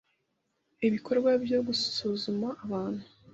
ibikorwa byo gusuzuma abantu